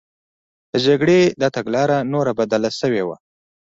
د جګړې دا تګلاره نوره بدله شوې وه